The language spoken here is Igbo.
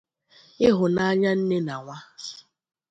Ịhụnanya nne na nwa.